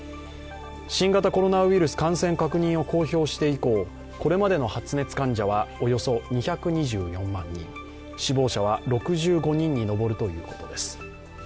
新型コロナウイルス感染確認を公表して以降、これまでの発熱患者はおよそ２２４万人、死亡者は６５人に上るということです。